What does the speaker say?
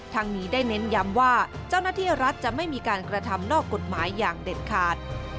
ทางนี้ได้เน้นย้ำว่าเจ้าหน้าที่รัฐจะไม่มีการกระทำนอกกฎหมายอย่างเด็ดขาด